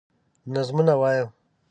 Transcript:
نظمونه وايم